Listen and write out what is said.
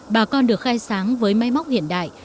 bà con được khai sáng với máy móc hiện đại